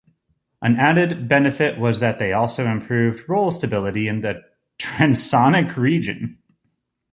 An added benefit was that they also improved roll stability in the transonic region.